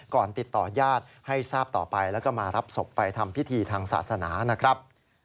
ติดต่อญาติให้ทราบต่อไปแล้วก็มารับศพไปทำพิธีทางศาสนานะครับ